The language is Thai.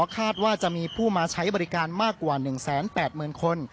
คาดว่าจะมีผู้มาใช้บริการมากกว่า๑๘๐๐๐คน